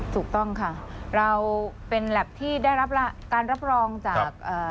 ถูกต้องค่ะเราเป็นแล็บที่ได้รับการรับรองจาก